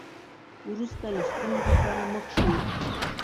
وروسته له ستونزو سره مخ شو.